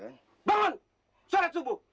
bangun sholat subuh